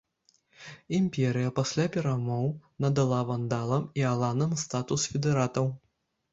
Імперыя пасля перамоў надала вандалам і аланам статус федэратаў.